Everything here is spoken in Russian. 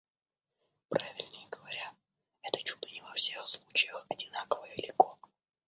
Правильнее говоря, это чудо не во всех случаях одинаково велико.